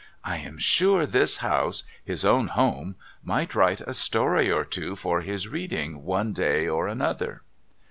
' I am sure this house— his own home — might write a story or two for his reading one day or another.'